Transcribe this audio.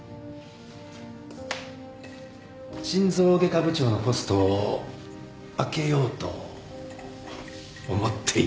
心臓外科部長のポストを空けようと思っていてね